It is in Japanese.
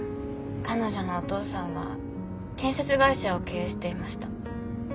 彼女のお父さんは建設会社を経営していました。